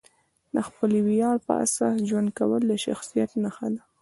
د خپلې ویاړ پر اساس ژوند کول د شخصیت نښه ده.